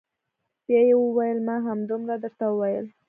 بيا يې وويل ما همدومره درته وويل.